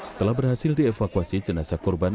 setelah berhasil dievakuasi jenazah korban